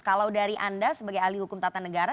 kalau dari anda sebagai ahli hukum tata negara